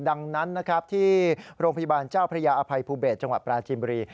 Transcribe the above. ดังนั้นนะครับที่โรงพยาบาลเจ้าพระยาอภัยภูเบศจังหวัดปราจิมบุรี